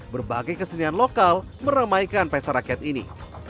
berbagai kesenian lokal meramaikan pesta rakyat ini